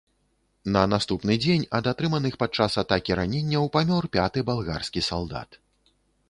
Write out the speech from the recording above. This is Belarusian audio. На наступны дзень ад атрыманых падчас атакі раненняў памёр пяты балгарскі салдат.